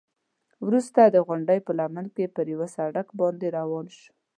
وروسته د غونډۍ په لمن کې پر یوه سړک باندې روان شوو.